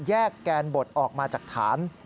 แกนบทออกมาจากฐาน